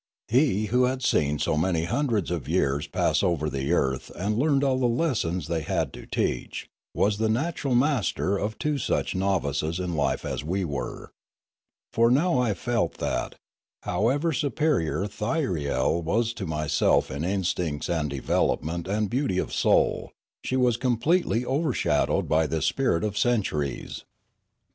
He who had seen so many hundreds of years pass over the earth and learned all the lessons they had to teach was the natural master of two such novices in life as we were. For I now felt that, however superior Thyriel was to myself in instincts and development and beauty of soul, she was completely overshadowed by this spirit of centuries.